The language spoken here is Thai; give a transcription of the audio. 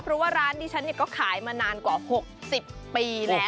เพราะว่าร้านนี้ฉันก็ขายมานานกว่า๖๐ปีแล้ว